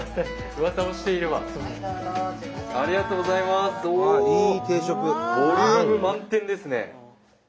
ボリューム満点ですね。